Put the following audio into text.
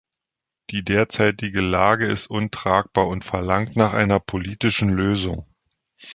Die derzeitige Lage ist untragbar und verlangt nach einer politischen Lösung.